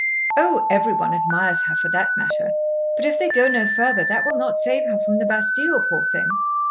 "Oh, every one admires her, for that matter; but if they go no further that will not save her from the Bastille, poor thing.